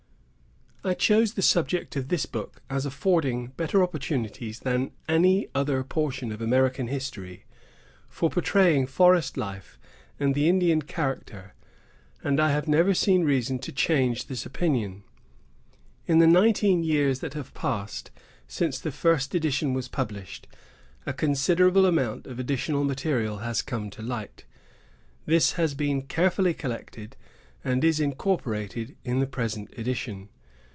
I chose the subject of this book as affording better opportunities than any other portion of American history for portraying forest life and the Indian character; and I have never seen reason to change this opinion. In the nineteen years that have passed since the first edition was published, a considerable amount of additional material has come to light. This has been carefully collected, and is incorporated in the present edition.